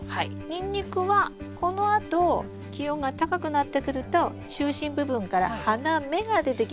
ニンニクはこのあと気温が高くなってくると中心部分から花芽が出てきます。